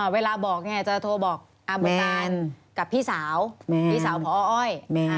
เวลาบอกเนี่ยจะโทรบอกกับพี่สาวขอออย